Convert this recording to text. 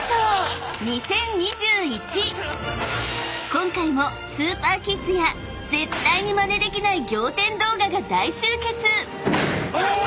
［今回もスーパーキッズや絶対にまねできない仰天動画が大集結！］